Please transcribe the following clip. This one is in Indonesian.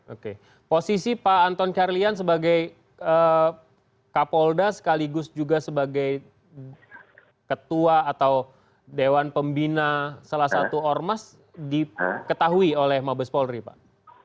oke posisi pak anton carlyan sebagai kapolda sekaligus juga sebagai ketua atau dewan pembina salah satu ormas diketahui oleh mabes polri pak